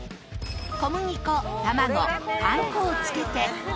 小麦粉卵パン粉をつけて。